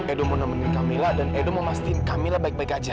edo menemani kamilah dan edo memastikan kamilah baik baik aja